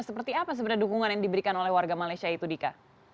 seperti apa sebenarnya dukungan yang diberikan oleh warga malaysia itu dika